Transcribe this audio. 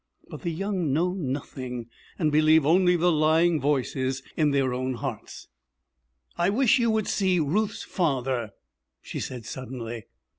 But the young know nothing, and believe only the lying voices in their own hearts! 'I wish you would see Ruth's father,' she said suddenly.